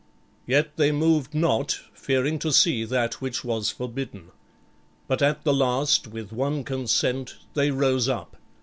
Yet they moved not, fearing to see that which was forbidden. But at the last with one consent they rose up.